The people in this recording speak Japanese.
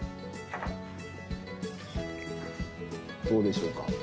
どうでしょうか？